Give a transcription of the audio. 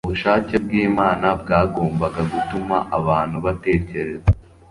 ubushake bw'Imana bwagombaga gutuma abantu batekereza